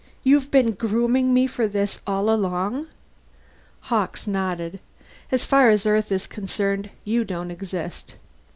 You've been grooming me for this all along!" Hawkes nodded. "As far as Earth is concerned, you don't exist.